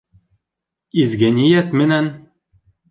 Изге ниәт менән!